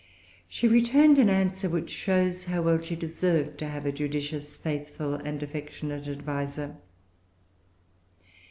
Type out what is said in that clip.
She returned an answer, which shows how well she deserved to have a judicious, faithful, and affectionate adviser.